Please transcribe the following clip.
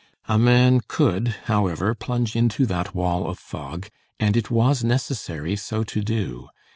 A man could, however, plunge into that wall of fog and it was necessary so to do.